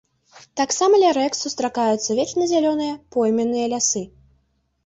Таксама ля рэк сустракаюцца вечназялёныя пойменныя лясы.